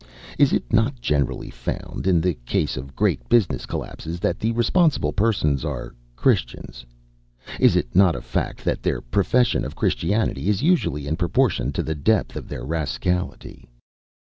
Is it not generally found, in the case of great business collapses, that the responsible persons are Christians? Is it not a fact that their profession of Christianity is usually in proportion to the depth of their rascality?